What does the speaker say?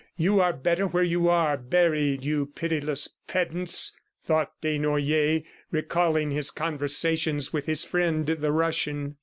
.. You are better where you are buried, you pitiless pedants!" thought Desnoyers, recalling his conversations with his friend, the Russian.